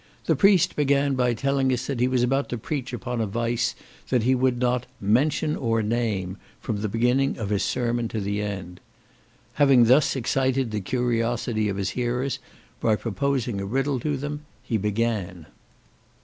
The priest began by telling us, that he was about to preach upon a vice that he would not "mention or name" from the beginning of his sermon to the end. Having thus excited the curiosity of his hearers, by proposing a riddle to them, he began.